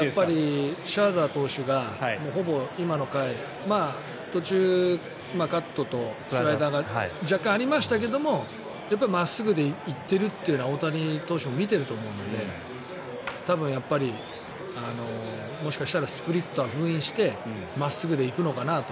シャーザー投手がほぼ今の回途中、カットとスライダーが若干ありましたけど真っすぐで行っているというのは大谷投手も見ていると思うのでやっぱりもしかしたらスプリットは封印して真っすぐで行くのかなと。